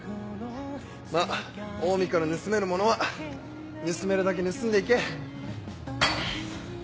まぁオウミから盗めるものは盗めるだけ盗んで行け。